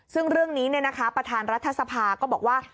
ซึ่งเรื่องนี้ประธานรัฐสภาก็บอกว่า